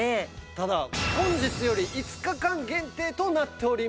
ただ本日より５日間限定となっております。